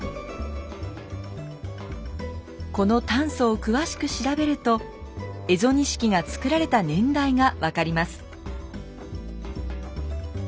この炭素を詳しく調べると蝦夷錦が作られた年代が分かります。